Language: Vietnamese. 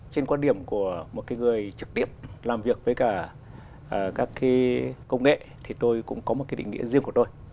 trên quan điểm của một người trực tiếp làm việc với cả các công nghệ thì tôi cũng có một cái định nghĩa riêng của tôi